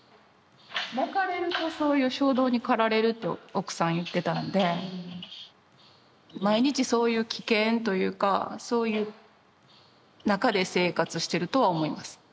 泣かれるとそういう衝動に駆られると奥さん言ってたんで毎日そういう危険というかそういう中で生活してるとは思います。